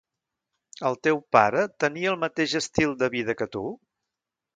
El teu pare tenia el mateix estil de vida que tu?